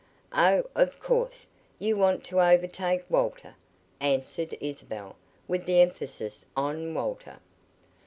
"Oh, of course, you want to overtake Walter," answered Isabel, with the emphasis on "Walter."